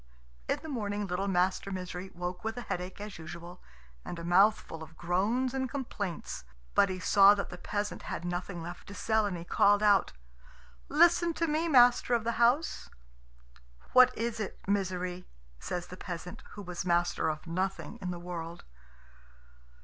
In the morning little Master Misery woke with a headache as usual, and a mouthful of groans and complaints. But he saw that the peasant had nothing left to sell, and he called out, "Listen to me, master of the house." "What is it, Misery?" says the peasant, who was master of nothing in the world.